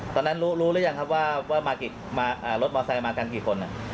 ตอนนั้นรู้หรือยังครับว่ารถมอไซค์มากันกี่คน